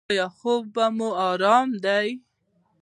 ایا خوب مو ارام دی؟